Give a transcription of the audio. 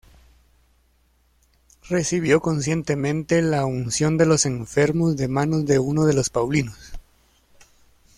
Recibió conscientemente la unción de los enfermos de manos de uno de los paulinos.